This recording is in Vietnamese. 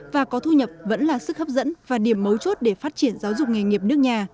và có thu nhập vẫn là sức hấp dẫn và điểm mấu chốt để phát triển giáo dục nghề nghiệp nước nhà